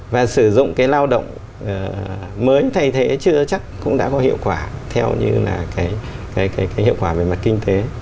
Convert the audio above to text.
và sử dụng cái lao động mới thay thế chưa chắc cũng đã có hiệu quả theo như là cái hiệu quả về mặt kinh tế